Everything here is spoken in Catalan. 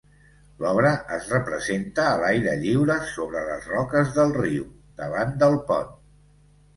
L'obra es representa a l'aire lliure sobre les roques del riu, davant del pont.